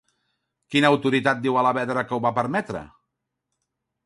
Quina autoritat diu Alavedra que ho va permetre?